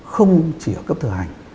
không chỉ ở cấp thử hành